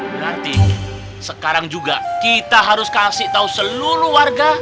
berarti sekarang juga kita harus kasih tahu seluruh warga